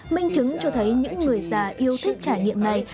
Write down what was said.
minh chứng cho thấy những người già yêu thích trải nghiệm này